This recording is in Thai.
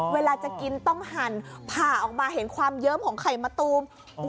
เวลาจะกินต้องหั่นผ่าออกมาเห็นความเยิ้มของไข่มะตูม